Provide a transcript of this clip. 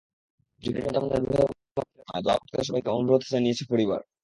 জরিনা জামানের রুহের মাগফিরাত কামনায় দোয়া করতে সবাইকে অনুরোধ জানিয়েছে পরিবার।